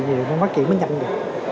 nhiều nó bắt kịp mới nhận được